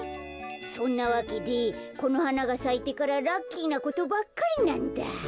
そんなわけでこの花がさいてからラッキーなことばっかりなんだ。